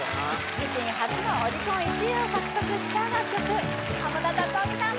自身初のオリコン１位を獲得した楽曲濱田龍臣さん